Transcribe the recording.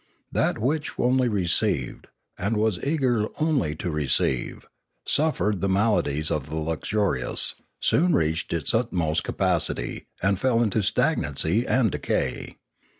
That which only received, and was eager only to receive, suffered the maladies of the luxurious, soon reached its utmost capacity, and fell into stagnancy and decay.